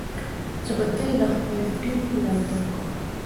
زه به تل د خپل ټیم ملاتړ کوم.